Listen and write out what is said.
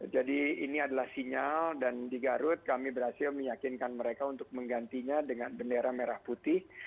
jadi ini adalah sinyal dan di garut kami berhasil meyakinkan mereka untuk menggantinya dengan bendera merah putih